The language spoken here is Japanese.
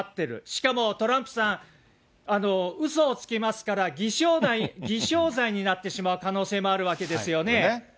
しかも、トランプさん、うそをつきますから、偽証罪になってしまう可能性もあるわけですよね。